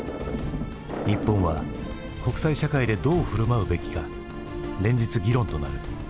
日本は国際社会でどう振る舞うべきか連日議論となる。